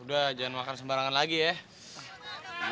udah jangan makan sembarangan lagi ya